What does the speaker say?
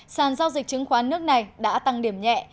sàn giao dịch chứng khoán nước này đã tăng điểm nhẹ